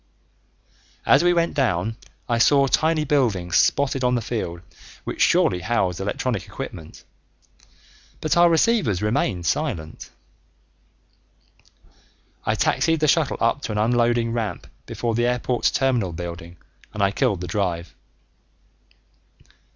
As we went down I saw tiny buildings spotted on the field which surely housed electronic equipment, but our receivers remained silent. I taxied the shuttle up to an unloading ramp before the airport's terminal building and I killed the drive.